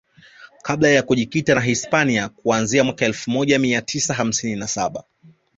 kabla ya kujikita na Hispania kuanzia mwaka elfu moja mia tisa hamsini na saba